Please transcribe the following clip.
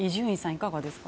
いかがですか？